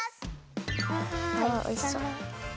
わあおいしそう。